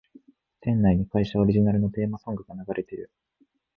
店内に会社オリジナルのテーマソングが流れてる